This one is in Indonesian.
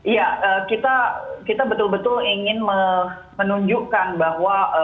ya kita betul betul ingin menunjukkan bahwa